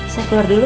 saya keluar dulu